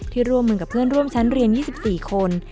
ร่วมมือกับเพื่อนร่วมชั้นเรียน๒๔คน